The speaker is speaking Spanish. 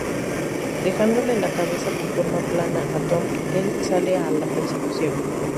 Dejándole la cabeza con forma plana a Tom, el sale a la persecución.